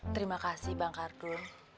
terima kasih bang khardun